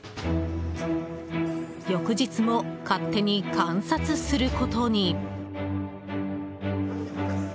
翌日も勝手に観察することに。